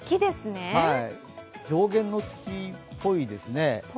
上弦の月っぽいですね。